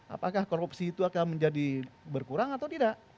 apakah korupsi itu akan menjadi berkurang atau tidak